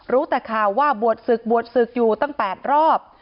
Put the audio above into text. รู้แต่ข่าวว่าบวชศึกบวชศึกอยู่ตั้ง๘รอบ